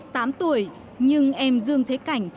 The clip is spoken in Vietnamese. tám tuổi nhưng em dương thế cảnh chín mươi năm